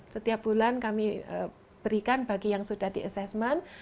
setiap bulan kami berikan bagi yang sudah di assessment